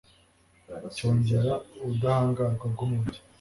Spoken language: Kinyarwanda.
cyongera ubudahangarwa bw'umubiri